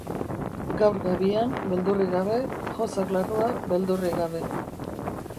Gaur gabian, beldurrik gabe, jozak larrua beldurrik gabe.